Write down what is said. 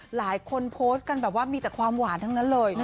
หลายคนโพสต์กันแบบว่ามีแต่ความหวานทั้งนั้นเลย